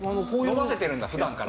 伸ばせてるんだ普段から。